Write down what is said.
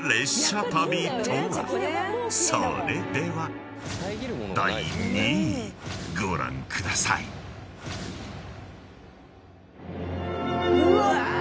［それでは第２位ご覧ください］うわ！